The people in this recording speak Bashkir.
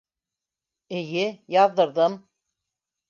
— Эйе, яҙҙырҙым.